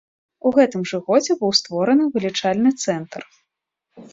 У гэтым жа годзе быў створаны вылічальны цэнтр.